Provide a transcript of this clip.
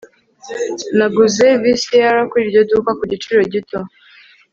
Naguze VCR kuri iryo duka ku giciro gito